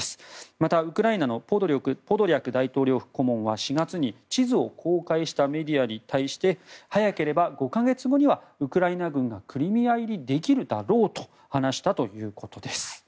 また、ウクライナのポドリャク大統領府顧問は４月に地図を公開したメディアに対して早ければ５か月後にはウクライナ軍がクリミア入りできるだろうと話したということです。